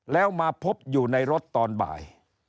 แล้วมาพบอยู่ในรถตอนบ่าย